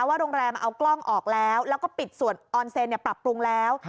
ว่าโรงแรมเอากล้องออกแล้วแล้วก็ปิดส่วนออนเซนปรับปรุงแล้ว